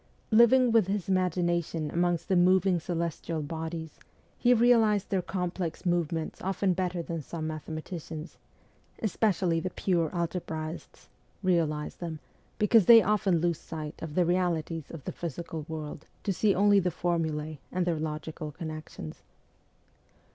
Living with his imagination amongst the moving celestial bodies, he realized their complex movements often better than some mathematicians especially the pure algebraists realize them, because they often lose sight of the realities of the physical world to see only the formulae and their logical connections.